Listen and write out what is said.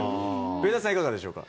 上田さん、いかがでしょうか。